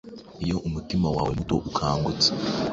Iyo umutima wawe muto ukangutse